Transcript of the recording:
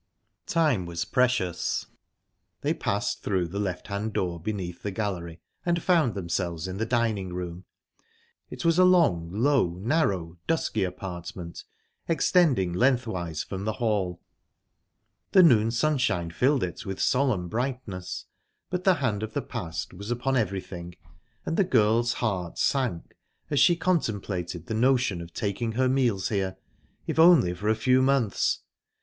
Time was precious. They passed through the left hand door beneath the gallery, and found themselves in the dining room. It was a long, low, narrow, dusky apartment, extending lengthwise from the hall. The noon sunshine filled it with solemn brightness, but the hand of the past was upon everything, and the girl's heart sank as she contemplated the notion of taking her meals here, if only for a few months.